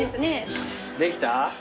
できた？